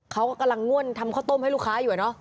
เขากำลังง่วนทำข้าวต้มให้ลูกค้าอยู่อะเนาะ